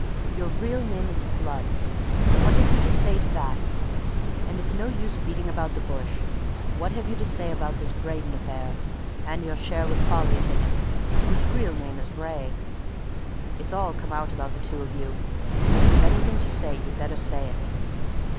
Your real name is Flood! What have you to say to that? And it's no use beating about the bush what have you to say about this Braden affair, and your share with Folliot in it, whose real name is Wraye. It's all come out about the two of you. If you've anything to say, you'd better say it."